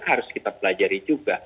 harus kita pelajari juga